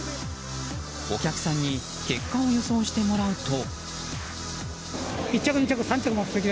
お客さんに結果を予想してもらうと。